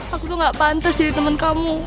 aku tuh gak pantes jadi temen kamu